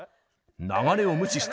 流れを無視して